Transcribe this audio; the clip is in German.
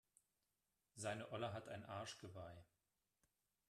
Seine Olle hat ein Arschgeweih.